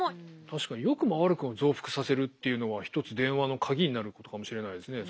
確かによくも悪くも増幅させるっていうのは一つ電話の鍵になることかもしれないですね